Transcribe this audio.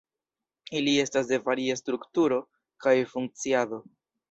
Ili estas de varia strukturo kaj funkciado.